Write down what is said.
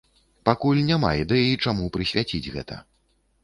Пакуль няма ідэі, чаму прысвяціць гэта.